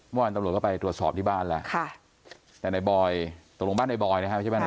เมื่อวานตำรวจก็ไปตรวจสอบที่บ้านแล้วค่ะแต่ในบอยตกลงบ้านในบอยนะฮะใช่ไหม